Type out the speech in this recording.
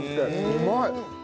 うまい。